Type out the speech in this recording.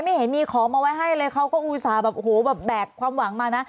ไม่เห็นมีของมาไว้ให้เลยเขาก็อุตส่าห์แบบโอ้โหแบบแบกความหวังมานะ